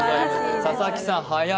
佐々木さん、早い。